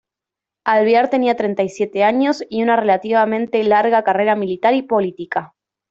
Alvear tenía treinta y siete años y una relativamente larga carrera militar y política.